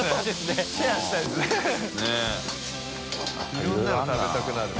いろんなの食べたくなる。